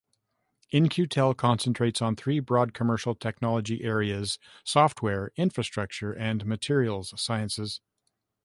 In-Q-Tel concentrates on three broad commercial technology areas: software, infrastructure and materials sciences.